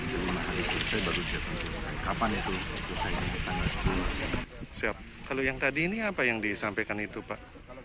selesai baru selesai kapan itu selesai tanggal sepuluh siap kalau yang tadi ini apa yang disampaikan itu pak